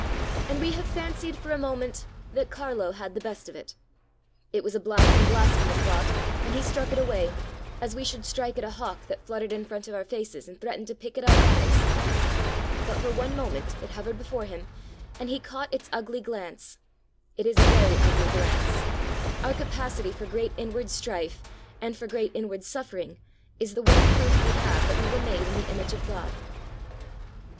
And we have fancied for a moment that Carlo had the best of it. It was a black and blasphemous thought, and He struck it away, as we should strike at a hawk that fluttered in front of our faces and threatened to pick at our eyes. But for one moment it hovered before Him, and He caught its ugly glance. It is a very ugly glance. Our capacity for great inward strife and for great inward suffering is the one proof we have that we were made in the image of God.